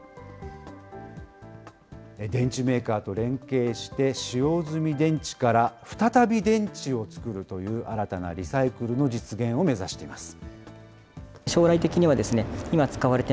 電池メーカーと連携して、使用済み電池から再び電池を作るという新たなリサイクルの実現を目指しています。